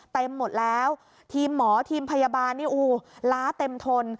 เต็มหมดแล้วทีมหมอทีมพยาบาลเนี่ยโอ้โหล้าเต็มทน